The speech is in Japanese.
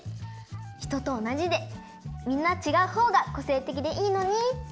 ひととおなじでみんなちがうほうがこせいてきでいいのにって。